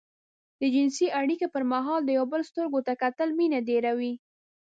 د جنسي اړيکې پر مهال د يو بل سترګو ته کتل مينه ډېروي.